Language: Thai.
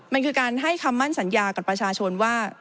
มันคือการให้คำมั่นสัญญากับประชาชนว่า